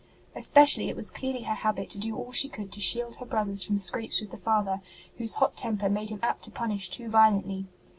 Especially it was clearly her habit to do all she could to shield her brothers from scrapes with the father, whose hot temper made him apt to punish too violently.